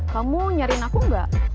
kamu nyariin aku gak